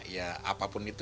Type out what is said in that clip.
ya apapun itu